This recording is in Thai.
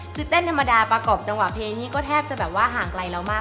คือเต้นธรรมดาประกอบจังหวะเพลงนี้ก็แทบจะแบบว่าห่างไกลเรามาก